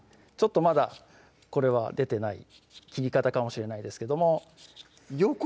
まだこれは出てない切り方かもしれないですけども横？